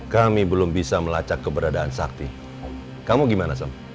kami belum bisa melacak keberadaan sakti kamu gimana sam